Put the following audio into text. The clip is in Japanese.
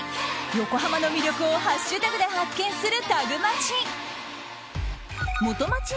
横浜の魅力をハッシュタグで発見する、タグマチ。